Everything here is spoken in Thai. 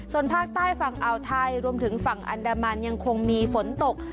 ส่วนภาคใต้ฝั่งอ่าวไทยรวมถึงฝั่งอันดามันยังคงมีฝนตก